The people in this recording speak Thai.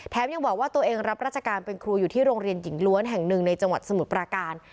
ยังบอกว่าตัวเองรับราชการเป็นครูอยู่ที่โรงเรียนหญิงล้วนแห่งหนึ่งในจังหวัดสมุทรปราการ